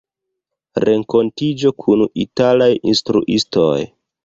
Renkontiĝo kun italaj instruistoj.